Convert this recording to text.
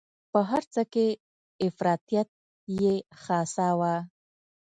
په هر څه کې افراطیت یې خاصه وه.